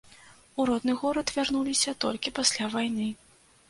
У родны горад вярнуліся толькі пасля вайны.